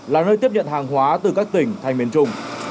là nơi tiếp nhận hàng hóa từ các tỉnh thành miền trung